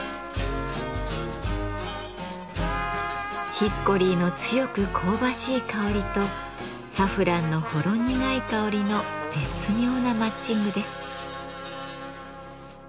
ヒッコリーの強く香ばしい香りとサフランのほろ苦い香りの絶妙なマッチングです。